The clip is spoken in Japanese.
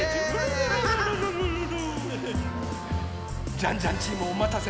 ジャンジャンチームおまたせいたしました。